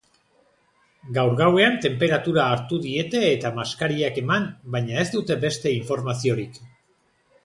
Gaur gauean tenperatura hartu diete eta maskarillak eman baina ez dute beste informaziorik.